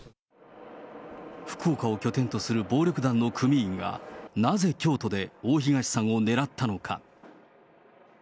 福岡を拠点とする暴力団の組員が、なぜ京都で大東さんを狙ったのか。